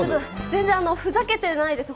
全然ふざけてないです。